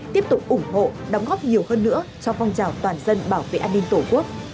tiếp tục ủng hộ đóng góp nhiều hơn nữa cho phong trào toàn dân bảo vệ an ninh tổ quốc